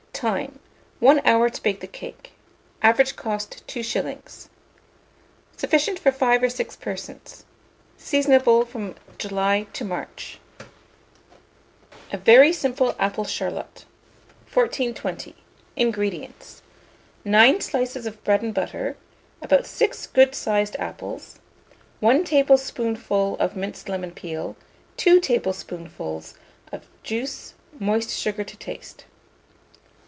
Time. 1 hour to bake the cake. Average cost, 2s. Sufficient for 5 or 6 persons. Seasonable from July to March. A VERY SIMPLE APPLE CHARLOTTE. 1420. INGREDIENTS. 9 slices of bread and butter, about 6 good sized apples, 1 tablespoonful of minced lemon peel, 2 tablespoonfuls of juice, moist sugar to taste.